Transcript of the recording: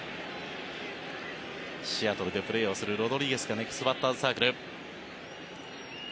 シアトルでプレーをするロドリゲスがネクストバッターズサークル。